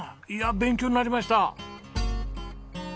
いやあ勉強になりました。